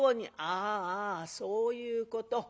「ああそういうこと。